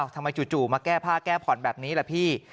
จู่มาแก้ผ้าแก้ผ่อนแบบนี้ล่ะพี่